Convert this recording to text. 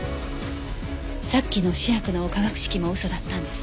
さっきの試薬の化学式も嘘だったんです。